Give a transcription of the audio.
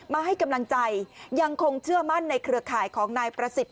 มาให้กำลังใจยังคงเชื่อมั่นในเครือข่ายของนายประสิทธิ